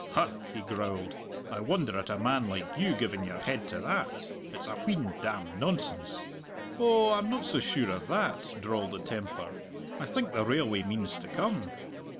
"Huh!" he growled, "I wonder at a man like you giving your head to that! It's a wheen damned nonsense." "Oh, I'm no so sure of that," drawled the Templar. "I think the railway means to come."